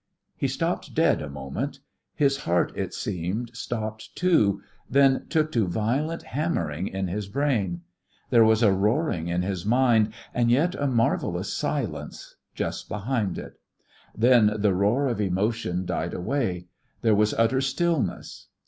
He stopped dead a moment. His heart, it seemed, stopped too, then took to violent hammering in his brain. There was a roaring in his mind, and yet a marvellous silence just behind it. Then the roar of emotion died away. There was utter stillness.